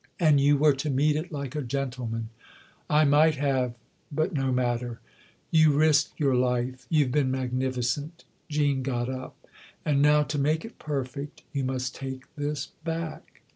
" And you were to meet it like a gentleman. I might have but no matter. You risked your life you've been magnificent." Jean got up. "And now, to make it perfect, you must take this back."